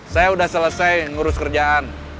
saya sudah selesai ngurus kerjaan